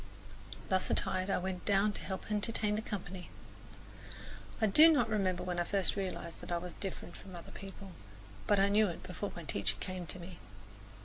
Thus attired I went down to help entertain the company. I do not remember when I first realized that I was different from other people; but I knew it before my teacher came to me.